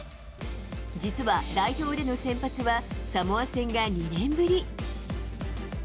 実は、代表での先発はサモア戦が２年ぶり。